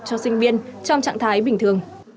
cho sinh viên trong trạng thái bình thường